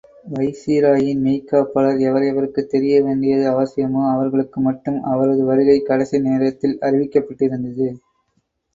வைசிராயின் மெய்க்காப்பாளர் எவர் எவருக்குத் தெரியவேண்டியது அவசியமோ அவர்களுக்கு மட்டும் அவரது வருகை கடைசி நேரத்தில் அறிவிக்கப்பட்டிருந்தது.